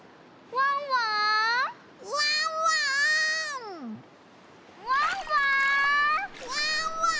ワンワーン！